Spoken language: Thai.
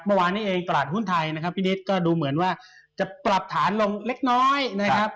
เมื่อวานนี้เองตลาดหุ้นไทยนะครับพี่นิดก็ดูเหมือนว่าจะปรับฐานลงเล็กน้อยนะครับ